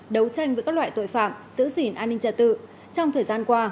đấu tranh với các loại tội phạm giữ gìn an ninh trật tự trong thời gian qua